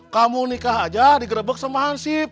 kamu nikah aja digerebek sama hansib